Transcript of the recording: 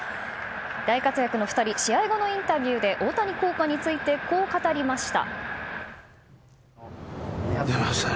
大活躍の２人試合後のインタビューで大谷効果についてこう語りました。